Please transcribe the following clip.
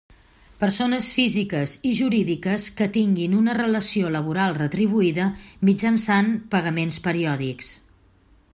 Persones físiques i jurídiques que tinguin una relació laboral retribuïda mitjançant pagaments periòdics.